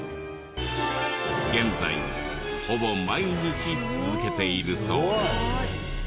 現在ほぼ毎日続けているそうです。